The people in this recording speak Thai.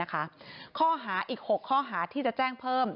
ข้อหาอีก๖ข้อหาที่จะแจ้งเพิ่ม